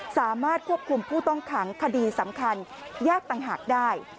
สามารถควบคุมผู้ต้องขังคดีสำคัญยากต่างหากได้